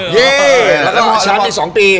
เยอะแล้วก็แชมป์อีก๒ปี